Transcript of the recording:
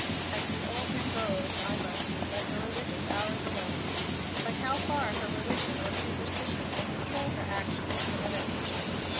As the old hymn goes, I must 'let her religious hours alone.' But how far her religion or superstition will control her action is another question.